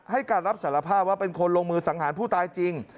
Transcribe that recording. ให้การรับสารภาพว่าเป็นคนลงมือสังหารผู้ตายจริง